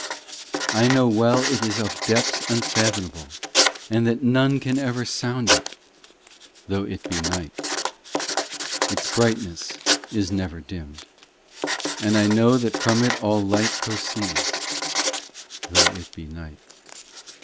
IV I know well it is of depths unfathomable, And that none can ever sound it, Though it be night. Its brightness is never dimmed, And I know that from it all light proceeds, Though it be night.